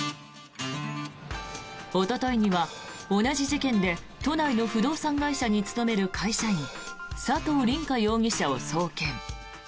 おとといには同じ事件で都内の不動産会社に勤める会社員佐藤凛果容疑者を送検。